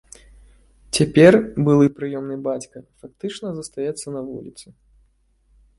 Цяпер былы прыёмны бацька фактычна застаецца на вуліцы.